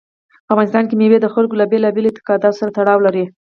په افغانستان کې مېوې د خلکو له بېلابېلو اعتقاداتو سره تړاو لري.